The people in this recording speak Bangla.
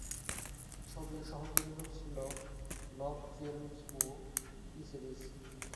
ছবির সহ-প্রযোজক ছিল লব ফিল্মস ও টি-সিরিজ।